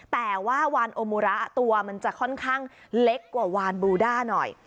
แต่ว่าวานโอมูระตัวมันจะค่อนข้างเล็กกว่าวานบูด้าหน่อย